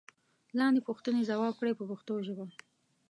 لاندې پوښتنې ځواب کړئ په پښتو ژبه.